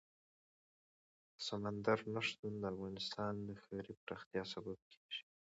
سمندر نه شتون د افغانستان د ښاري پراختیا سبب کېږي.